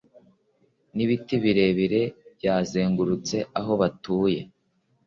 Nibiti birebire byazengurutse aho batuye